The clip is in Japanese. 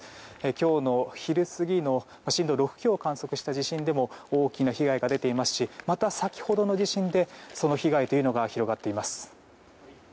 今日の昼過ぎの震度６強を観測した地震でも大きな被害が出ていますしまた先ほどの地震でその被害というのが広がっています。